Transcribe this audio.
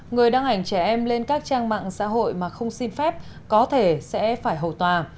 người đăng ảnh trẻ em lên các trang mạng xã hội mà không xin phép có thể sẽ phải hầu tòa